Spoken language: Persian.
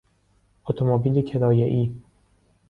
اتومبیل کرایهای